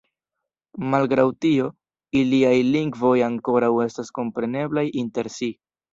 Malgraŭ tio, iliaj lingvoj ankoraŭ estas kompreneblaj inter si.